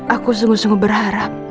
aku sungguh sungguh berharap